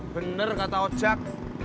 bener kata ocak